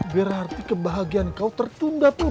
berarti kebahagiaan kau tertunda purr